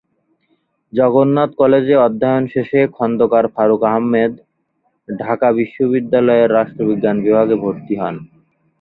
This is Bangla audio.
জগন্নাথ কলেজে অধ্যয়ন শেষে খন্দকার ফারুক আহমদ ঢাকা বিশ্ববিদ্যালয়ের রাষ্ট্রবিজ্ঞান বিভাগে ভর্তি হন।